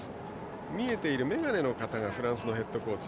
今見えた眼鏡の方がフランスのヘッドコーチ。